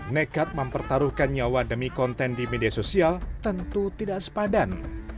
nekat mempertaruhkan nyawa demi konten di media sosial tentu tidak sepadan